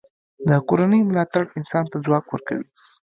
د کورنۍ ملاتړ انسان ته ځواک ورکوي.